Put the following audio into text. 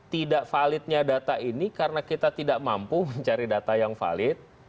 tidak validnya data ini karena kita tidak mampu mencari data yang valid